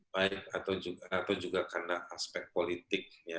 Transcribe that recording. baik atau juga karena aspek politiknya